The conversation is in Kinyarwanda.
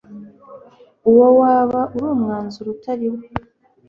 uwo waba ari umwanzuro utari wo